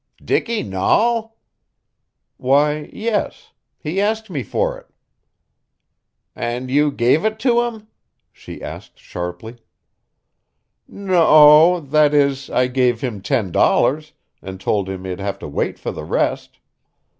"Dicky Nahl?" "Why, yes. He asked me for it." "And you gave it to him?" she asked sharply. "No o that is, I gave him ten dollars, and told him he'd have to wait for the rest.